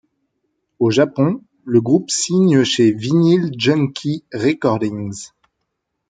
Au Japon, le groupe signe chez Vinyl Junkie Recordings.